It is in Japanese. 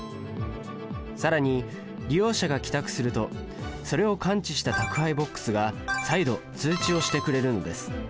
更に利用者が帰宅するとそれを感知した宅配ボックスが再度通知をしてくれるんです。